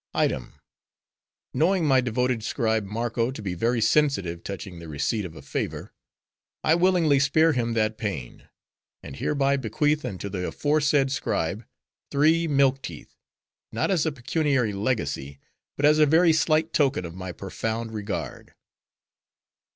"'Item. Knowing my devoted scribe Marko to be very sensitive touching the receipt of a favor; I willingly spare him that pain; and hereby bequeath unto the aforesaid scribe, three milk teeth, not as a pecuniary legacy, but as a very slight token of my profound regard.